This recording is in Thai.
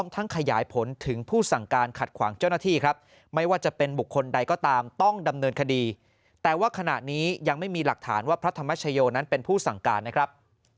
แต่ว่าขณะนี้ยังไม่มีหลักฐานว่าพระธรรมชโยนั้นเป็นผู้สั่งการนะครับ